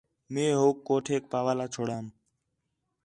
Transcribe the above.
مئے ہوک کوٹھیک پا وال چھوڑام